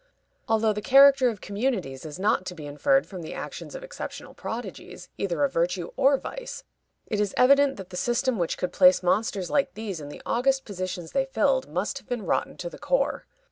Although the character of communities is not to be inferred from the actions of exceptional prodigies, either of virtue or vice, it is evident that the system which could place monsters like these in the august positions they filled must have been rotten to the core.